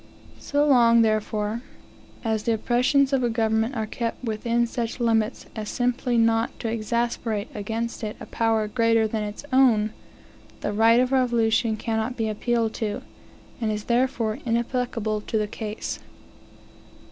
So long, therefore, as the oppressions of a government are kept within such limits as simply not to exasperate against it a power greater than its own, the right of revolution cannot be appealed to, and is therefore inapplicable to the case.